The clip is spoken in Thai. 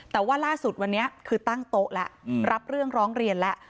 แต่ว่าล่าสุดวันนี้คือตั้งโต๊ะแล้วรับเรื่องร้องเรียนแล้ว